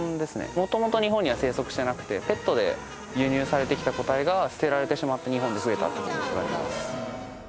元々日本には生息してなくてペットで輸入されてきた個体が捨てられてしまって日本で増えたっていう感じです。